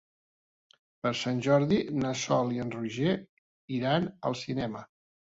Per Sant Jordi na Sol i en Roger iran al cinema.